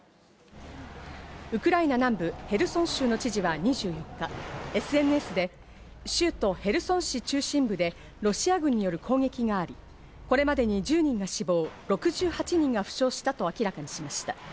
ウクライナ南部、ヘルソン州の知事は２４日、ＳＮＳで、州都ヘルソン市中心部でロシア軍による攻撃があり、これまでに１０人が死亡、６８人が負傷したと明らかにしました。